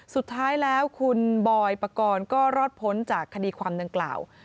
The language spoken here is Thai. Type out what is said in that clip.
สุดท้ายแล้วคุณบอยปกรณ์ก็รอดพ้นจากคดีความดังกล่าว